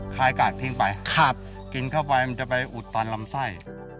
กาดทิ้งไปกินเข้าไปมันจะไปอุดตอนลำไส้